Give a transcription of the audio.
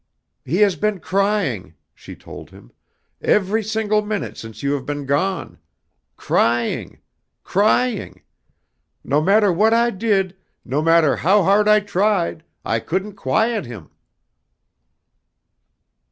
"He has been crying," she told him, "every single minute since you have been gone. Crying! Crying! No matter what I did, no matter how hard I tried, I couldn't quiet him."